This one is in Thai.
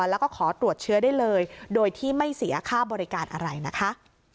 แล้วก็ขอตรวจเชื้อได้เลยโดยที่ไม่เสียค่าบริการอะไรนะคะ